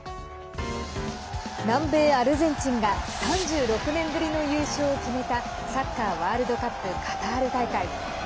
南米アルゼンチンが３６年ぶりの優勝を決めたサッカーワールドカップカタール大会。